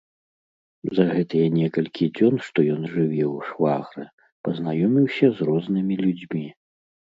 За гэтыя некалькі дзён, што ён жыве ў швагра, пазнаёміўся з рознымі людзьмі.